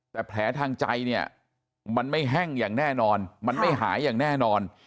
แต่แผลทางใจเนี่ยมันไม่แห้งอย่างแน่นอนมันไม่หายอย่างแน่นอน